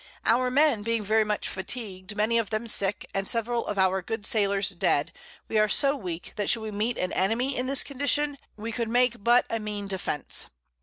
Our Men being very much fatigued, many of them sick, and several of our Good Sailors dead, we are so weak, that should we meet an Enemy in this Condition, we could make but a mean Defence.